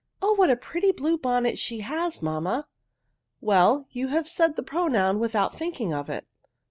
" Oh, what a pretty blue bonnet she has, mamma !"" Well, you have said the pronoun with out thinking of it.'